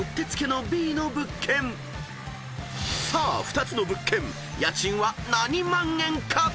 ［さあ２つの物件家賃は何万円か］